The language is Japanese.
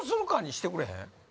してくれへん？